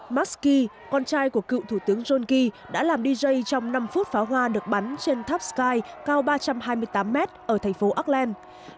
max key con trai của cựu thủ tướng john key đã làm dj trong năm phút pháo hoa được bắn trên tháp sky cao ba trăm hai mươi tám mét ở thành phố auckland